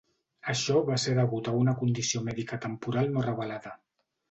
Això va ser degut a una condició mèdica temporal no revelada.